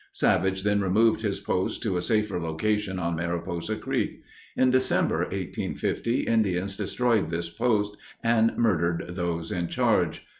Savage then removed his post to a safer location on Mariposa Creek. In December, 1850, Indians destroyed this post and murdered those in charge.